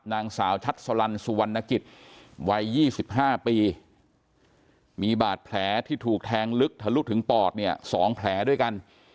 นางสาวชัดสลันสุวรรณกิจวัย๒๕ปีมีบาดแผลที่ถูกแทงลึกทะลุถึงปอดเนี่ย๒แผลด้วยกัน